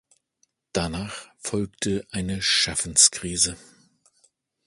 Danach folgte eine Schaffenskrise.